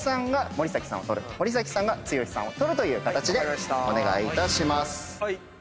森崎さんが剛さんを撮るという形でお願いいたします。